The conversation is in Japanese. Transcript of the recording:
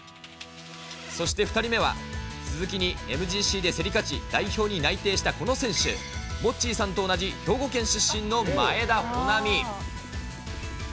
そして２人目は、鈴木にＭＧＣで競り勝ち、代表に内定したこの選手、モッチーさんと同じ兵庫県出身の前田穂南。